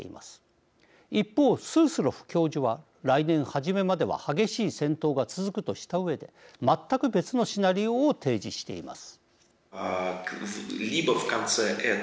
一方スースロフ教授は来年初めまでは激しい戦闘が続くとした上で全く別のシナリオを提示しています。